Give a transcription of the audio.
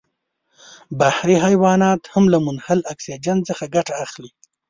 بحري حیوانات هم له منحل اکسیجن څخه ګټه اخلي.